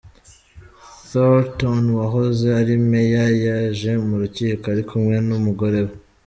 Thornton wahoze ari meya yaje mu rukiko ari kumwe n’umugore we.